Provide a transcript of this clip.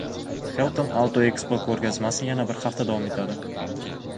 Hilton Auto Expo ko‘rgazmasi yana bir hafta davom etadi